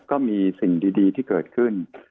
ก็มีสิ่งดีที่เกิดขึ้น